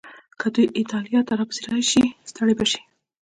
که دوی ایټالیې ته راپسې راشي، ستړي به شي.